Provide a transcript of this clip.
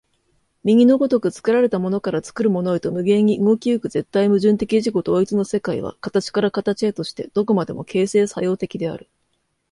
右の如く作られたものから作るものへと無限に動き行く絶対矛盾的自己同一の世界は、形から形へとして何処までも形成作用的である。